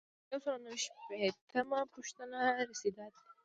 یو سل او نهه شپیتمه پوښتنه رسیدات دي.